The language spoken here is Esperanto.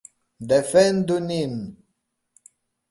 Defendu nin!